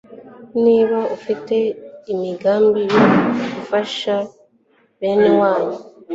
niba ufite imigambi yo gufasha benewanyu